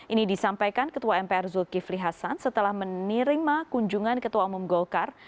ini disampaikan ketua mpr zulkifli hasan setelah menerima kunjungan ketua umum golkar